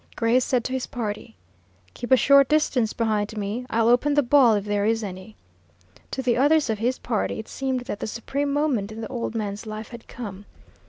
Gray said to his party, "Keep a short distance behind me. I'll open the ball, if there is any." To the others of his party, it seemed that the supreme moment in the old man's life had come.